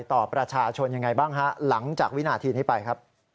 ต่อประชาชนยังไงบ้างฮะหลังจากวินาทีนี้ไปครับ